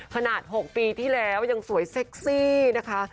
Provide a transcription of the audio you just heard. ขนาด๖ปีที่แล้วยังสวยเซ็กซี่นะคะ